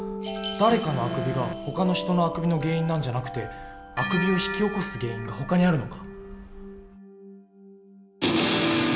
誰かのあくびがほかの人のあくびの原因なんじゃなくてあくびを引き起こす原因がほかにあるのか。